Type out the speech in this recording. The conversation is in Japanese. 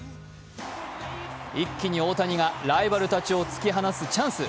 一気に大谷がライバルたちを突き放すチャンス。